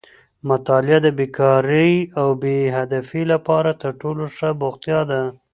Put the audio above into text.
مطالعه د بېکارۍ او بې هدفۍ لپاره تر ټولو ښه بوختیا ده.